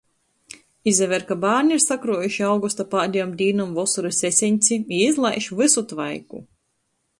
Izaver, ka bārni ir sakruojuši augusta pādejom dīnom vosorys eseņci i izlaiž vysu tvaiku.